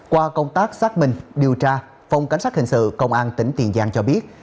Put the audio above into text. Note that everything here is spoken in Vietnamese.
qua công tác xác minh điều tra phòng cảnh sát hình sự công an tỉnh tiền giang cho biết